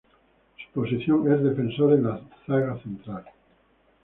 Su posición es defensor en la zaga central.